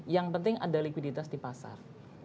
yang penting ada likuiditas di pasar